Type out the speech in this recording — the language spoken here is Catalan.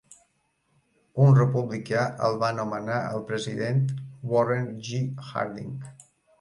Un republicà, el va nomenar el president Warren G. Harding.